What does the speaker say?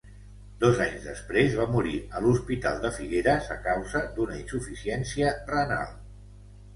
Dos anys després va morir a l'Hospital de Figueres a causa d'una insuficiència renal.